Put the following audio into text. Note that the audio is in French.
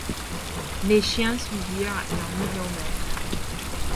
Les chiens suivirent leur nouveau maître.